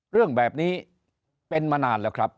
เรื่องแบบนี้เป็นมานานแล้วครับ